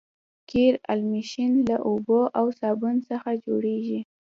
قیر املشن له اوبو او صابون څخه جوړیږي